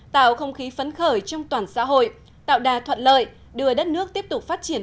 tạo không khí phấn khởi trong toàn xã hội tạo đà thuận lợi đưa đất nước tiếp tục phát triển